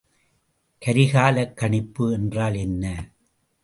கரிக்காலக் கணிப்பு என்றால் என்ன?